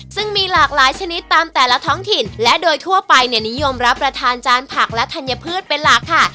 ซึ่งมีหลากหลายชนิดตามแต่ละท้องถิ่นและโดยทั่วไปเนี่ยนิยมรับประทานจานผักและธัญพืชเป็นหลักค่ะ